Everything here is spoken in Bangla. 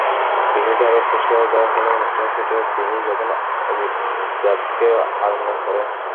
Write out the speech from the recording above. বিষয়টি আরও স্পষ্টভাবে ধরা পড়ে অনুষ্ঠানের সেটে তিনি যখন অমিতাভকে আলিঙ্গন করেন।